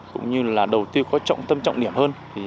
cũng như là đầu tư có trọng tâm trọng điểm hơn